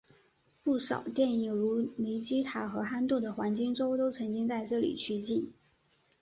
不少电影如尼基塔和憨豆的黄金周都曾经在这里取景。